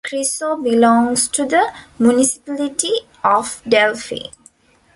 Chrisso belongs to the municipality of Delphi.